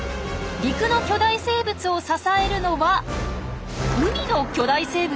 陸の巨大生物を支えるのは海の巨大生物！？